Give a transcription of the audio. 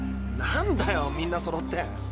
なんだよみんなそろって。